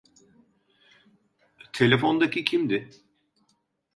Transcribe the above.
Telefondaki kimdi?